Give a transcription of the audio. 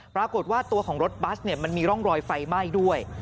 ปรากฏว่าตัวของรถบัสมันมีร่องรอยไฟไหม้ด้วย